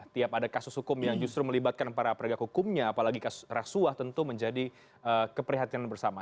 tiap ada kasus hukum yang justru melibatkan para penegak hukumnya apalagi kasus rasuah tentu menjadi keprihatinan bersama